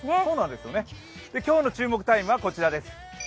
今日の注目タイムはこちらです。